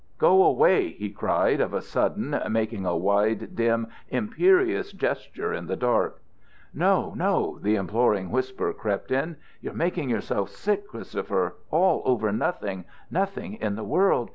"Go away!" he cried of a sudden, making a wide, dim, imperious gesture in the dark. "No, no," the imploring whisper crept in. "You're making yourself sick Christopher all over nothing nothing in the world.